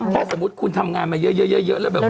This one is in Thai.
ถ้าสมมุติคุณทำงานมาเยอะแล้วแบบว่า